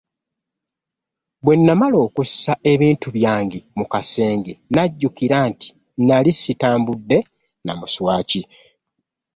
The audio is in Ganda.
Bwe nnamala okussa ebintu byange mu kasenge, nnajjukira nti nnali sitambudde na muswaki.